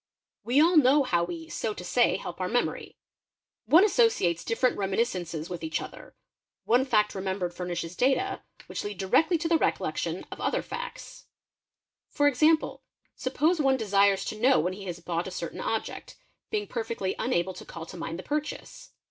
We all know how we, so to say, helpour memory. One associates different reminiscences with each other, one fact remembered furnishes data which lead directly to the recollection of other facts®? &©,_ For example, suppose one desires to know when he has bought a certain _ object, being perfectly unable to call to mind the purchase.